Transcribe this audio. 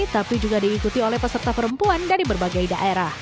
tapi juga diikuti oleh peserta perempuan dari berbagai daerah